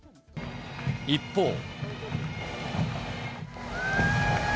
一方。